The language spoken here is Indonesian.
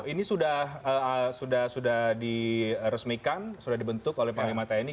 ini sudah diresmikan sudah dibentuk oleh panglima tni